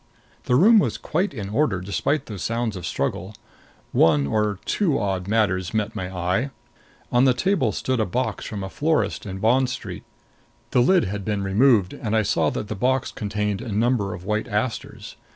The room was quite in order, despite those sounds of struggle. One or two odd matters met my eye. On the table stood a box from a florist in Bond Street. The lid had been removed and I saw that the box contained a number of white asters.